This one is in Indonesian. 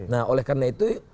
nah oleh karena itu